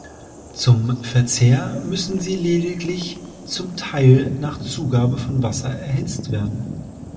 Zum Verzehr müssen sie lediglich, zum Teil nach Zugabe von Wasser, erhitzt werden.